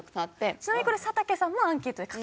ちなみにこれ佐竹さんもアンケートで書かれた。